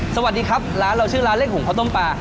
สวัสดีครับร้านเราชื่อร้านเลขหุงข้าวต้มปลา